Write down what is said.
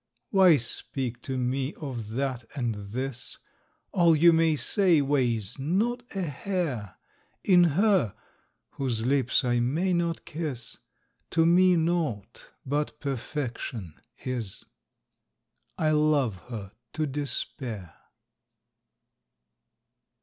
_ Why speak to me of that and this? All you may say weighs not a hair! In her, whose lips I may not kiss, To me naught but perfection is! _I love her to despair.